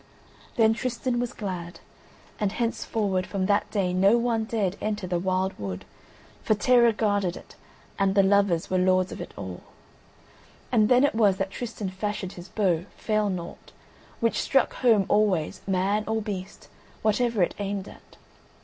Then Tristan was glad, and henceforward from that day no one dared enter the wild wood, for terror guarded it and the lovers were lords of it all: and then it was that Tristan fashioned his bow "Failnaught" which struck home always, man or beast, whatever it aimed at.